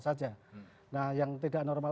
saja nah yang tidak normal